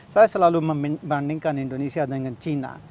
saya selalu membandingkan indonesia dengan china